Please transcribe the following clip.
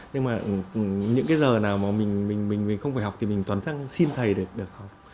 nhưng mà những cái giờ nào mà mình không phải học thì mình toàn sang xin thầy để được học